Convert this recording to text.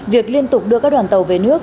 việc liên tục đưa các đoàn tàu về nước